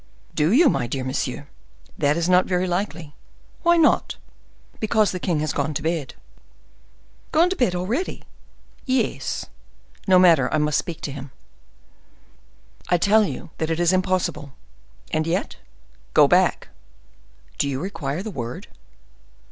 "Do you, my dear monsieur? That's not very likely." "Why not?" "Because the king has gone to bed." "Gone to bed already?" "Yes." "No matter: I must speak to him." "And I tell you that is impossible." "And yet—" "Go back!" "Do you require the word?"